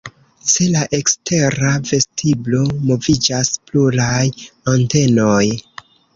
Ce la ekstera vestiblo moviĝas pluraj antenoj.